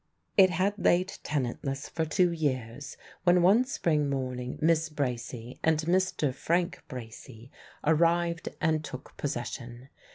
It had lain tenantless for two years, when one spring morning Miss Bracy and Mr. Frank Bracy arrived and took possession.